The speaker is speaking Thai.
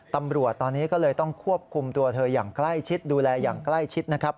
ตำรวจตอนนี้ก็เลยต้องควบคุมตัวเธออย่างใกล้ชิดดูแลอย่างใกล้ชิดนะครับ